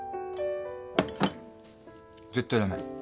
絶対ダメ